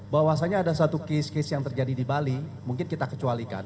bahwasanya ada satu kes kes yang terjadi di bali mungkin kita kecualikan